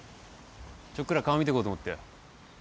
ちょっくら顔見てこうと思ってよ。